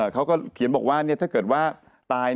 เขาก็เขียนบอกว่าถ้าเกิดว่าตาย